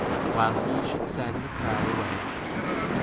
while he should send the crowd 46 away.